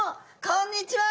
こんにちは。